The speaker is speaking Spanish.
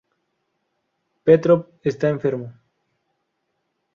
Petrov está enfermo.